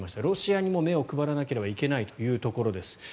ロシアにも目を配らなければならないということです。